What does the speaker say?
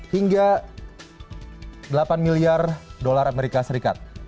hingga delapan miliar dolar amerika serikat